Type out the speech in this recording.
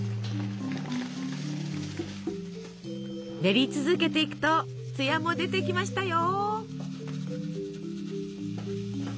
練り続けていくとつやも出てきましたよ。